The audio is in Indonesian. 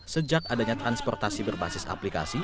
sejak adanya transportasi berbasis aplikasi